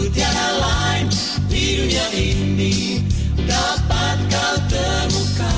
tiada lain di dunia ini dapat kau temukan